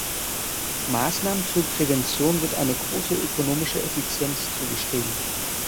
Maßnahmen zur Prävention wird eine große ökonomische Effizienz zugeschrieben.